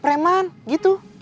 preman preman gitu